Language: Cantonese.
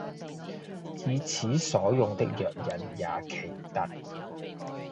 以此所用的藥引也奇特：